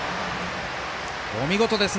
お見事です！